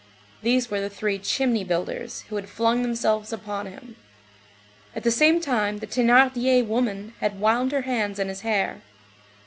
These were the three "chimney builders," who had flung themselves upon him. At the same time the Thénardier woman had wound her hands in his hair.